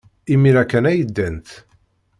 Imir-a kan ay ddant.